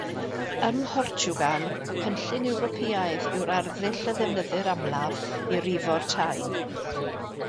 Ym Mhortiwgal, y cynllun Ewropeaidd yw'r arddull a ddefnyddir amlaf i rifo'r tai.